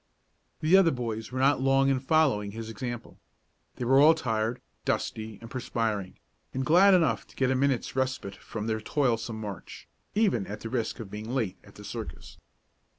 The other boys were not long in following his example. They were all tired, dusty, and perspiring, and glad enough to get a minute's respite from their toilsome march, even at the risk of being late at the circus.